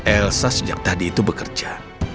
elsa sejak tadi itu bekerja